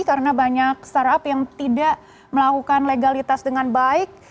karena banyak startup yang tidak melakukan legalitas dengan baik